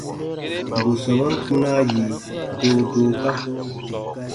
Bù sɔmaan kpunaa yi doodooka.